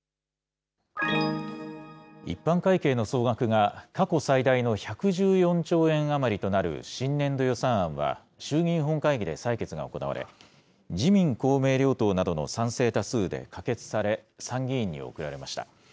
一般会計の総額が過去最大の１１４兆円余りとなる新年度予算案は、衆議院本会議で採決が行われ、自民、公明両党などの賛成多数で可決され、参議院に送られました。